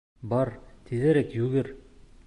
Бар тиҙерәк йүгер.